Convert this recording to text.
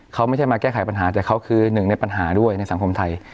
เขาไม่ใช่มาแก้ไขปัญหาแต่เขาคือหนึ่งในปัญหาด้วยในสังคมไทย